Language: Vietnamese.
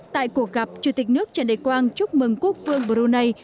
tại cuộc gặp chủ tịch nước trần đại quang chúc mừng quốc vương brunei